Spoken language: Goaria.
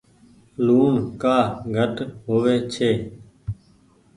لوڻ ڪآ گھٽ هووي ڇي۔